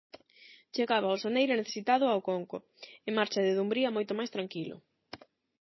Chegaba o Soneira necesitado ao Conco, e marcha de Dumbría moito máis tranquilo.